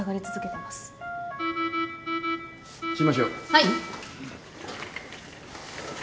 はい。